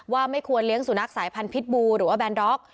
ว่าไม่ควรเลี้ยงสุนัขสายพันธิ์บูหรือว่าแนนด็อก